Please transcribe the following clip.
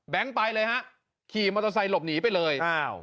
แบงก์ไปเลยฮะขี่มอเตอร์ไซค์หลบหนีไปเลย